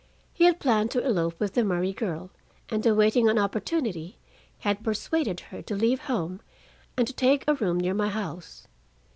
He had planned to elope with the Murray girl, and awaiting an opportunity, had persuaded her to leave home and to take a room near my house.